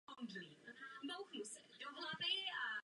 Ve městě se nacházejí tři státní univerzity a několik soukromých.